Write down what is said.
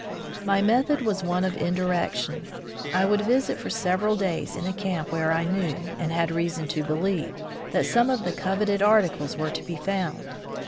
My method was one of indirection. I would visit for several days in a camp where I knew, or had reason to believe, that some of the coveted articles were to be found.